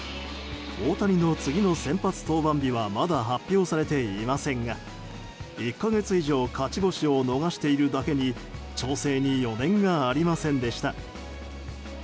大谷の次の先発登板日はまだ発表されていませんが１か月以上勝ち星を逃しているだけに調整に余念がありませんでした。